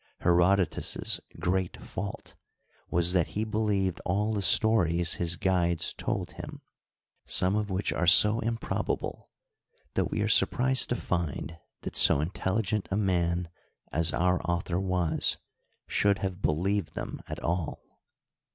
Herodotus*s great fault was that he believed all the stories his guides told him, some of which are so improb able that we are surprised to find that so intelligent a man as our author was should have believed them at all.